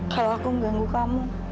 kalau aku mengganggu kamu